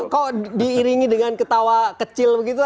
kok diiringi dengan ketawa kecil begitu